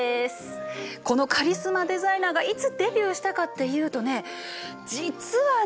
このカリスマデザイナーがいつデビューしたかっていうとね実はね。